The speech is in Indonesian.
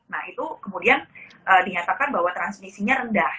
nah itu kemudian dinyatakan bahwa transmisinya rendah